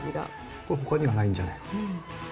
これ、ほかにはないんじゃないかな。